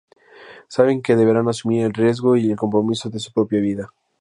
Saben que deberán asumir el riesgo y el compromiso de su propia vida.